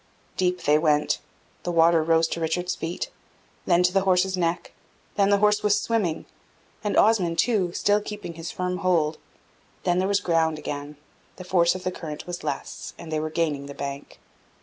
Deep they went; the water rose to Richard's feet, then to the horse's neck; then the horse was swimming, and Osmond too, still keeping his firm hold; then there was ground again, the force of the current was less, and they were gaining the bank.